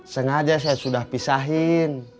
sengaja saya sudah pisahkan